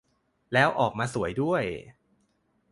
แล้วออกมาสวยด้วย